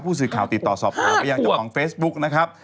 ผู้สื่อข่าวติดต่อสอบถามไปยังเจ้าของเฟซบุ๊กนะครับ